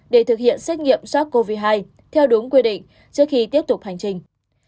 để thực hiện xét nghiệm sars cov hai theo đúng quy định trước khi tiếp tục hành trình